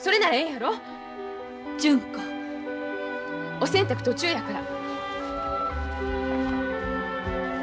お洗濯途中やから。